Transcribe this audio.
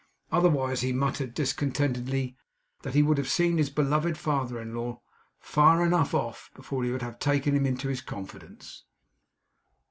Otherwise, he muttered discontentedly, he would have seen his beloved father in law 'far enough off,' before he would have taken him into his confidence.